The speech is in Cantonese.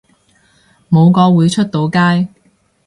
冇個會出到街